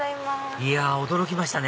いや驚きましたね